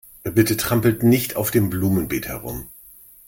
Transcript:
Bitte trampelt nicht auf dem Blumenbeet herum.